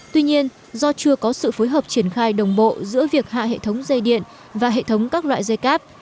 tuy nhiên do chưa có sự phối hợp triển khai đồng bộ giữa việc hạ hệ thống dây điện và hệ thống các loại dây cáp